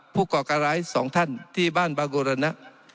ผู้ก่อการร้ายสองท่านที่บ้านบาโกระนะ